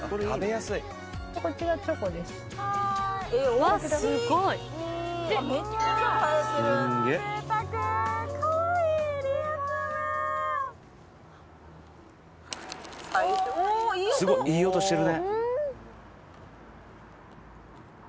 すごっいい音してるね。